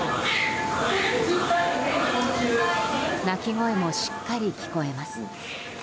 泣き声もしっかり聞こえます。